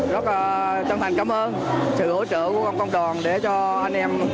rất chân thành cảm ơn sự hỗ trợ của công đoàn để cho anh em